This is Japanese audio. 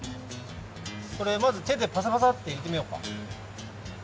これまずてでパサパサッていれてみようか。